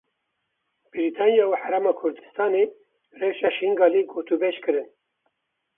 Brîtanya û Herêma Kurdistanê rewşa Şingalê gotûbêj kirin.